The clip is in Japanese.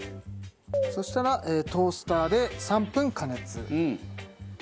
そしたらトースターで３分加熱。